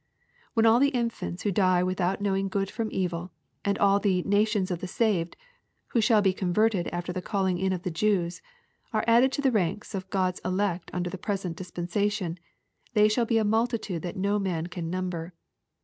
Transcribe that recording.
When all the infants who die without knowing good from evil, and all the " na tions of the saved," who shall be converted after the calling in of the Jews, are added to the ranks of God's elect under the present dispensation, they shall be a multitude that no man can number.